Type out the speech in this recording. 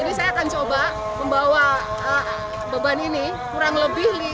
jadi saya akan coba membawa beban ini kurang lebih